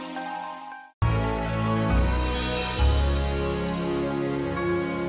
tunggu aku mau ke sana